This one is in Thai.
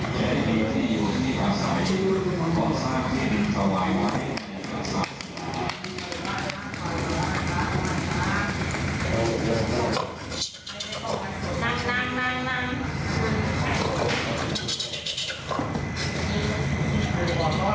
เขากำลังบอกว่าเขาปวดหลังหรือเปล่า